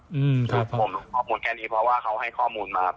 นายก็ไม่ได้เชิญให้คุณหนุ่นาออก